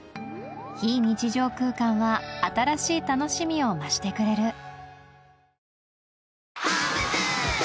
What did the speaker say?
非日常空間は新しい楽しみを増してくれる